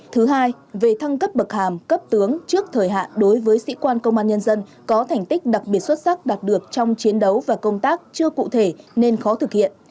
thứ hai về thăng cấp bậc hàm cấp tướng trước thời hạn đối với sĩ quan công an nhân dân có thành tích đặc biệt xuất sắc đạt được trong chiến đấu và công tác chưa cụ thể nên khó thực hiện